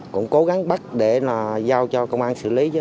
cũng cố gắng bắt để là giao cho công an xử lý chứ